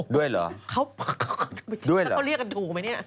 ด้วยเหรอแล้วเขาเรียกกันถูกไหมเนี่ย